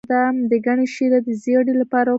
د ګني شیره د زیړي لپاره وکاروئ